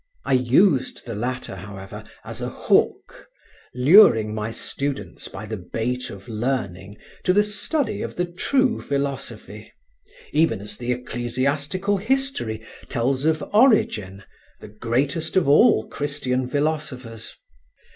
I used the latter, however, as a hook, luring my students by the bait of learning to the study of the true philosophy, even as the Ecclesiastical History tells of Origen, the greatest of all Christian philosophers.